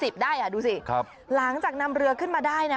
ครับ๒๐ได้ดูสิหลังจากนำเรือขึ้นมาได้นะ